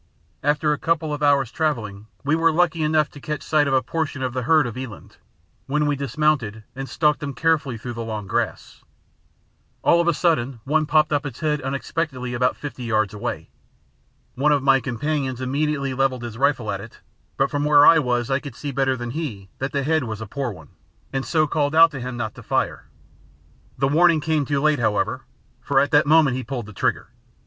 After a couple of hours' travelling we were lucky enough to catch sight of a portion of the herd of eland, when we dismounted and stalked them carefully through the long grass. All of a sudden one popped up its head unexpectedly about fifty yards away. One of my companions immediately levelled his rifle at it, but from where I was I could see better than he that the head was a poor one, and so called out to him not to fire. The warning came too late, however, for at that moment he pulled the trigger.